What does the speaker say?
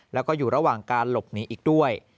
แล้วก็อยู่ระหว่างการหลบหนีอีกด้วย